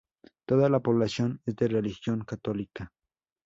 Toda la población es de religión católica.